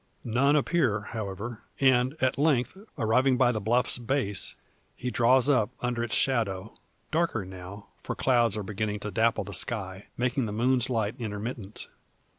None appear, however; and, at length, arriving by the bluffs base, he draws up under its shadow, darker now, for clouds are beginning to dapple the sky, making the moon's light intermittent.